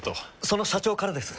その社長からです。